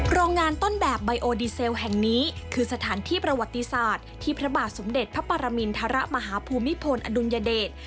โรงงานต้นแบบไบโอดีเซลแห่งนี้คือสถานที่ประวัติศาสตร์ที่พระบาทสมเด็จพระปรมินทรมาฮภูมิพลอดุลยเดช